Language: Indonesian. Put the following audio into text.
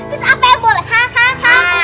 terus apa yang boleh